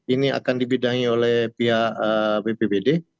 ini akan dibidangi oleh pihak bpbd